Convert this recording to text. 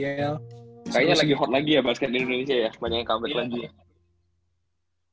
kayaknya lagi hot lagi ya basketball di indonesia ya banyak yang comeback lanjut ya